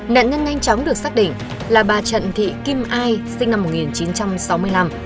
nạn nhân nhanh chóng được xác định là bà trận thị kim ai sinh năm một nghìn chín trăm sáu mươi năm